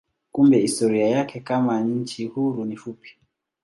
Kumbe historia yake kama nchi huru ni fupi.